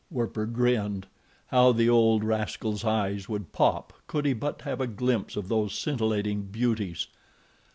Werper grinned. How the old rascal's eyes would pop could he but have a glimpse of those scintillating beauties!